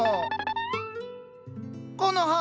コノハ。